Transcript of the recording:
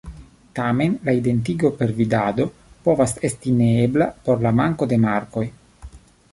Tamen, la identigo per vidado povas esti neebla pro la manko de markoj.